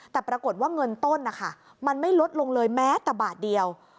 แต่ปรากฏว่าเงินต้นนะคะมันไม่ลดลงเลยแม้แต่บาทเดียว